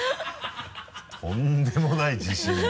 とんでもない自信だ。